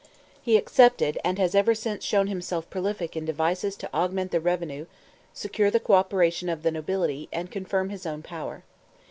He accepted, and has ever since shown himself prolific in devices to augment the revenue, secure the co operation of the nobility, and confirm his own power.